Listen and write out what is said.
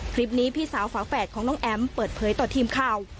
คลิปนี้พี่สาวฝาแฝดของน้องแอมป์เปิดเผยต่อทีมข่าว